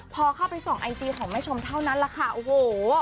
พอเข้าไปส่องไอจีของแม่ชมเท่านั้นแหละค่ะโอ้โห